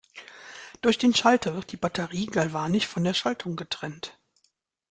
Durch den Schalter wird die Batterie galvanisch von der Schaltung getrennt.